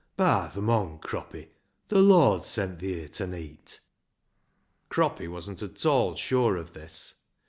By th' mon. Croppy, th' Lord's sent thee here ta neet." Croppy wasn't at all sure of this.